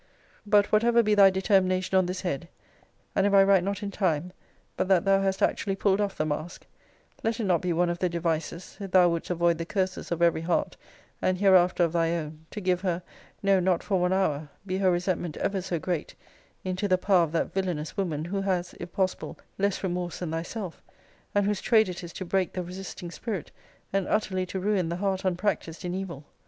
But whatever be thy determination on this head; and if I write not in time, but that thou hast actually pulled off the mask; let it not be one of the devices, if thou wouldest avoid the curses of every heart, and hereafter of thy own, to give her, no not for one hour, (be her resentment ever so great,) into the power of that villanous woman, who has, if possible, less remorse than thyself; and whose trade it is to break the resisting spirit, and utterly to ruin the heart unpractised in evil.